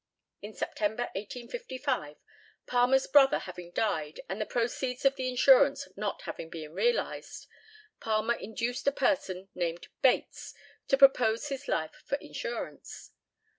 In September, 1855, Palmer's brother having died, and the proceeds of the insurance not having been realised, Palmer induced a person named Bates to propose his life for insurance.